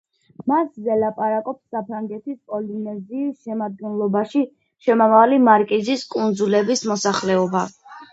მასზე ლაპარაკობს საფრანგეთის პოლინეზიის შემადგენლობაში შემავალი მარკიზის კუნძულების მოსახლეობა.